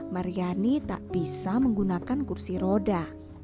maryani tak bisa menggunakan kursi roda